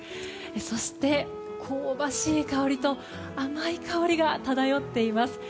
そして、香ばしい香りと甘い香りが漂っています。